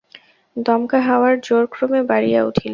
দমকা হাওয়ার জোর ক্রমে বাড়িয়া উঠিল।